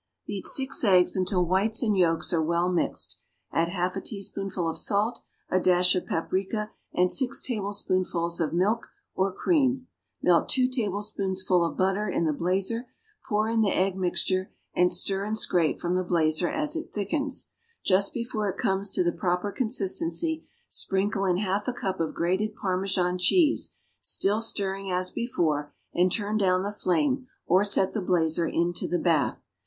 = Beat six eggs until whites and yolks are well mixed; add half a teaspoonful of salt, a dash of paprica and six tablespoonfuls of milk or cream. Melt two tablespoonsful of butter in the blazer, pour in the egg mixture, and stir and scrape from the blazer as it thickens. Just before it comes to the proper consistency, sprinkle in half a cup of grated Parmesan cheese, still stirring as before, and turn down the flame or set the blazer into the bath.